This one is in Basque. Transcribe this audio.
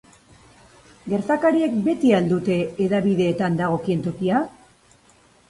Gertakariek beti al dute hedabideetan dagokien tokia?